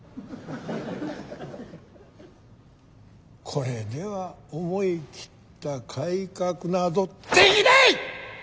これでは思い切った改革などできない！